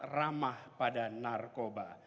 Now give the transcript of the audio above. dan amat ramah pada narkoba